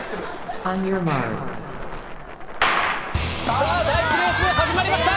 さあ、第１レース始まりました。